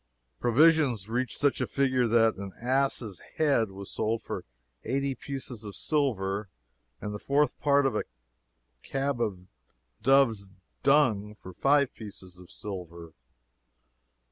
Provisions reached such a figure that "an ass' head was sold for eighty pieces of silver and the fourth part of a cab of dove's dung for five pieces of silver."